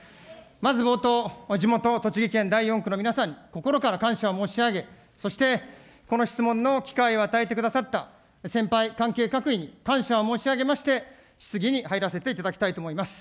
まず冒頭、地元栃木県第４区の皆さんに心から感謝を申し上げ、そしてこの質問の機会を与えてくださった先輩、関係各位に感謝を申し上げまして、質疑に入らせていただきたいと思います。